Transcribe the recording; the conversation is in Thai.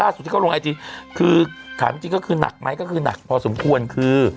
ที่เขาลงไอจีคือถามจริงก็คือหนักไหมก็คือหนักพอสมควรคือ